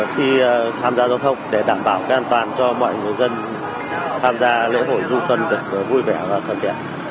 khi tham gia giao thông để đảm bảo an toàn cho mọi người dân tham gia lễ hội du sân vui vẻ và thân thiện